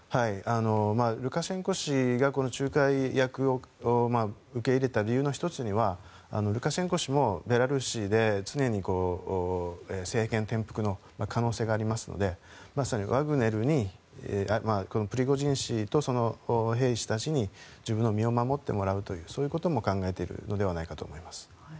ルカシェンコ氏がこの仲介役を受け入れた理由の１つにはルカシェンコ氏もベラルーシで常に政権転覆の可能性がありますのでまさにワグネルにこのプリゴジン氏と兵士たちに自分の身を守ってもらうというそういうことも考えているのではないかと思います。